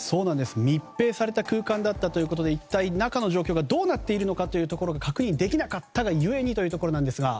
密閉された空間だったということで一体中の状況がどうなっているのかが確認できなかったゆえにというところなんですが。